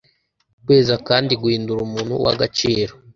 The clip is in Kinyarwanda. kweza kandi guhindura umuntu uw’agaciro.